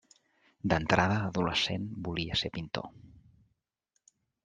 D'entrada, d'adolescent, volia ser pintor.